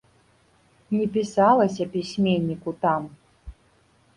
Не пісалася пісьменніку там.